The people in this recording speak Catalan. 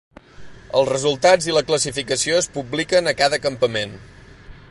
Els resultats i la classificació es publiquen a cada campament.